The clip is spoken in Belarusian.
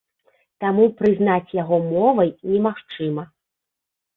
Таму прызнаць яго мовай немагчыма.